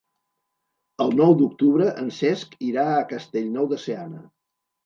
El nou d'octubre en Cesc irà a Castellnou de Seana.